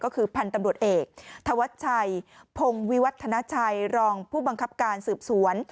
ก็คือพันธุ์ตำรวจเอกธวัชชัยพงวิวัฒนาชัยรองผู้บังคับการสืบสวน